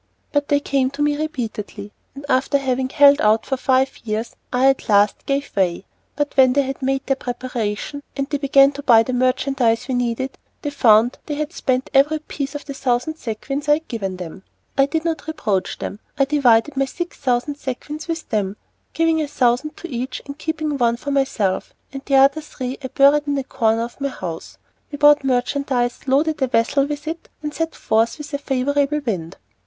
But they came to me repeatedly, and after having held out for five years I at last gave way. But when they had made their preparation, and they began to buy the merchandise we needed, they found they had spent every piece of the thousand sequins I had given them. I did not reproach them. I divided my six thousand sequins with them, giving a thousand to each and keeping one for myself, and the other three I buried in a corner of my house. We bought merchandise, loaded a vessel with it, and set forth with a favorable wind.